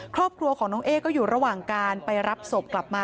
ครอบครัวของน้องเอ๊ก็อยู่ระหว่างการไปรับศพกลับมา